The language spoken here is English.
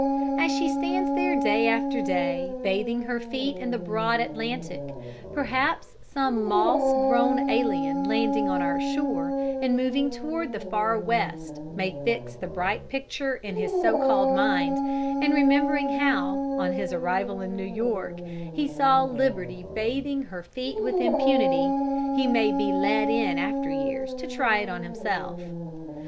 As she stands there day after day, bathing her feet in the broad Atlantic, perhaps some moss grown alien landing on our shore and moving toward the Far West may fix the bright picture in his so called mind, and, remembering how, on his arrival in New York, he saw Liberty bathing her feet with impunity, he may be led in after years to try it on himself.